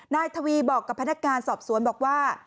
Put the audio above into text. นายทวีบอกกับพนักงานสอบสวนบอกว่า